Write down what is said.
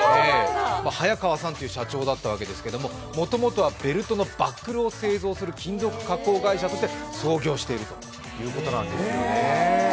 早川さんという社長だったわけですけれども、もともとベルトのバックルを製造する金属加工会社として創業しているということなんですね。